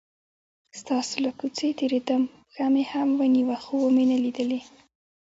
ستاسو له کوڅې تیرېدم، پښه مې هم ونیوه خو ومې نه لیدلې.